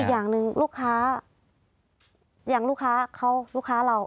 อย่างหนึ่งลูกค้าอย่างลูกค้าเขาลูกค้าเรา